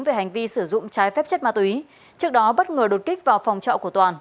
về hành vi sử dụng trái phép chất ma túy trước đó bất ngờ đột kích vào phòng trọ của toàn